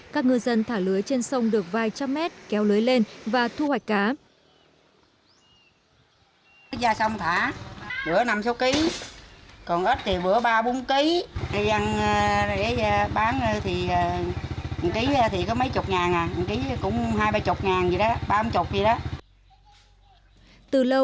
các ngư dân thả lưới trên sông được vài trăm mét kéo lưới lên và thu hoạch cá